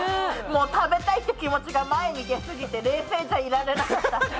もう食べたいって気持ちが前に出すぎて冷静じゃいられなかった。